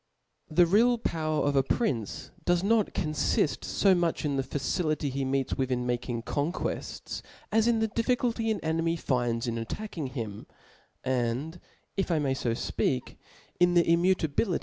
The real power of a prince does not confift fo much in the facility he meets with in making*con quefts, as in the difficulty an enemy finds in attack ing j^z T I^ E &P I R Jt Ho OK ipg him, and, if I may fo fpcak, in the immuta Chw!